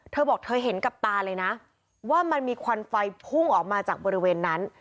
เธอบอกเธอเห็นกับตาเลยนะว่ามันมีควันไฟพุ่งออกมาจากบริเวณนั้น